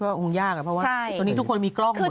เวลาโยงยากเลยเพราะว่ามันตัวนี้ทุกคนมีกล้องหมดเลย